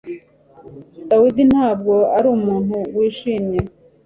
David ntabwo ari umuhungu wishimye